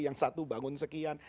yang satu bangun sekian